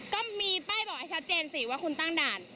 ก็มีป้ายบอกให้ชัดเจนสิว่าคุณตั้งด่าน